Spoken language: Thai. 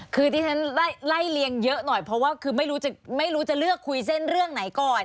คือที่ฉันไล่เลียงเยอะหน่อยเพราะว่าคือไม่รู้จะเลือกคุยเส้นเรื่องไหนก่อน